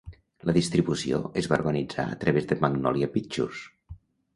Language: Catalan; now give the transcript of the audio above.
La distribució es va organitzar a través de Magnolia Pictures.